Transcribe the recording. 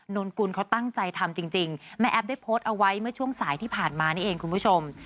นนกุลเขาตั้งใจทำจริงแม่แอ๊บได้โพสต์เอาไว้เมื่อช่วงสายที่ผ่านมานี่เองคุณผู้ชม